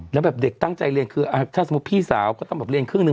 แล้วแบบเด็กตั้งใจเรียนคือถ้าสมมุติพี่สาวก็ต้องแบบเรียนครึ่งหนึ่ง